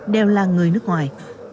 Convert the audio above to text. đều là người nước ngoài